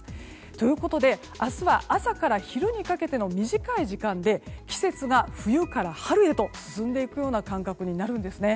ということで、明日は朝から昼にかけての短い時間で季節が冬から春へと進んでいくような感覚になるんです。